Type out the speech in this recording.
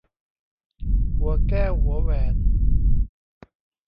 หัวแก้วหัวแหวน